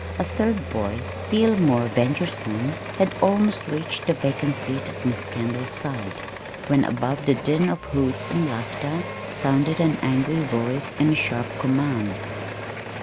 A third boy, still more venturesome, had almost reached the vacant seat at Miss Kendall's side, when above the din of hoots and laughter, sounded an angry voice and a sharp command.